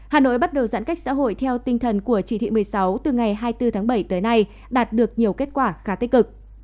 hà nội bắt đầu giãn cách xã hội theo tinh thần của chỉ thị một mươi sáu từ ngày hai mươi bốn tháng bảy tới nay đạt được nhiều kết quả khá tích cực